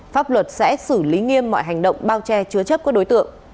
pháp luật sẽ xử lý nghiêm mọi hành động bao che chứa chất